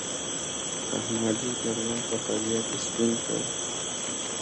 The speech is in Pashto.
احمد يې د غلا په قضيه کې سپين کړ.